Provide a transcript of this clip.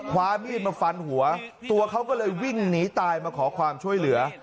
ความมีดมาฟันหัวตัวเขาก็เลยวิ่งหนีตายมาขอความช่วยเหลือ